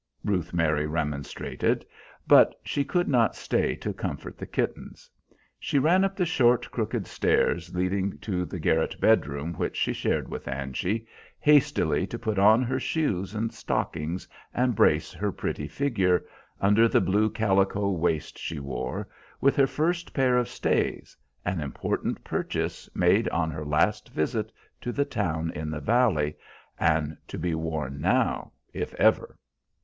Ruth Mary remonstrated, but she could not stay to comfort the kittens. She ran up the short, crooked stairs leading to the garret bedroom which she shared with Angy, hastily to put on her shoes and stockings and brace her pretty figure, under the blue calico waist she wore, with her first pair of stays, an important purchase made on her last visit to the town in the valley, and to be worn now, if ever.